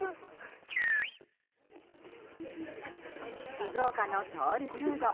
静岡のソウルフード。